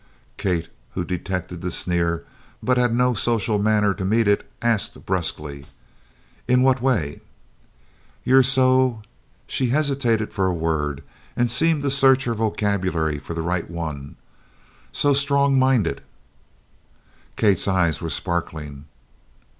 Kate, who detected the sneer, but had no social manner to meet it, asked brusquely: "In what way?" "You're so " she hesitated for a word and seemed to search her vocabulary for the right one "so strong minded." Kate's eyes were sparkling.